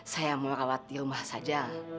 saya mau rawat di rumah saja